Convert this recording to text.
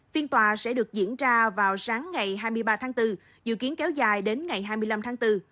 phiên tòa sẽ được diễn ra vào sáng ngày hai mươi ba tháng bốn dự kiến kéo dài đến ngày hai mươi năm tháng bốn